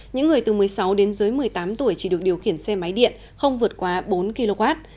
những người từ một mươi sáu đến dưới một mươi tám tuổi chỉ được điều khiển xe máy điện không vượt qua bốn kw